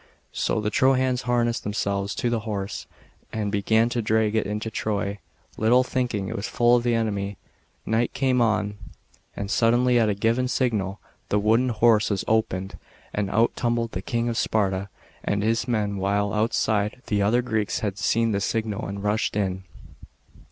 So the Trojans harnessed themselves to the horse, and began to drag it into Troy, little thinking it was full of the enemy. Night came on, and suddenly at a given signal, the wooden horse was opened, and out tumbled the King of Sparta and his men, while outside, the other Greeks had seen the signal and rushed in.